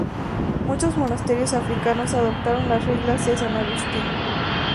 Muchos monasterios africanos adoptaron las reglas de san Agustín.